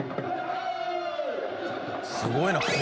すごいな。